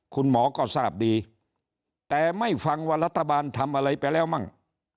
คุณหมอก็ทราบดีแต่ไม่ฟังว่ารัฐบาลทำอะไรไปแล้วมั่ง